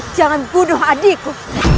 jangan bunuh adikku